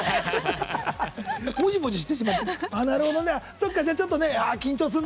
もじもじしてしまってるけど。